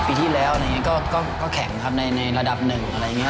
ปีที่แล้วก็แข็งครับในระดับ๑อะไรอย่างนี้